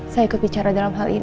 saya ikut bicara dalam hal ini